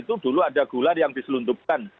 itu dulu ada gular yang diselundupkan